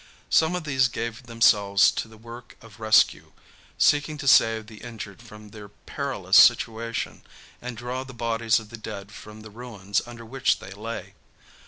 Some of these gave themselves to the work of rescue, seeking to save the injured from their perilous situation and draw the bodies of the dead from the ruins under which they lay.